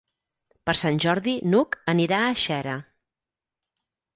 Per Sant Jordi n'Hug anirà a Xera.